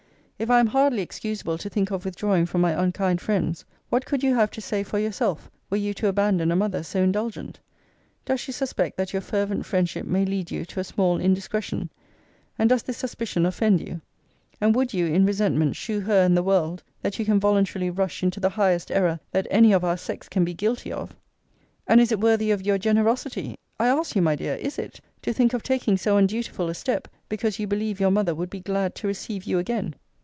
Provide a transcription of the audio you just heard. If I am hardly excusable to think of withdrawing from my unkind friends, what could you have to say for yourself, were you to abandon a mother so indulgent? Does she suspect that your fervent friendship may lead you to a small indiscretion? and does this suspicion offend you? And would you, in resentment, shew her and the world, that you can voluntarily rush into the highest error that any of our sex can be guilty of? And is it worthy of your generosity [I ask you, my dear, is it?] to think of taking so undutiful a step, because you believe your mother would be glad to receive you again?